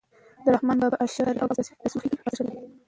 د رحمان بابا اشعار تاریخي او تصوفي ارزښت لري .